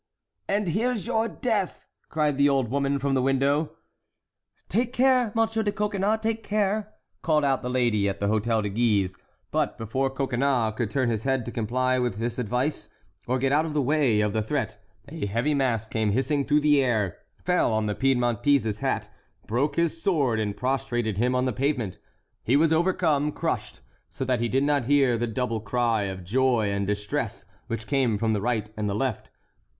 "And here's your death!" cried the old woman from the window. "Take care, M. de Coconnas, take care!" called out the lady at the Hôtel de Guise. But before Coconnas could turn his head to comply with this advice, or get out of the way of the threat, a heavy mass came hissing through the air, fell on the Piedmontese's hat, broke his sword, and prostrated him on the pavement; he was overcome, crushed, so that he did not hear the double cry of joy and distress which came from the right and left.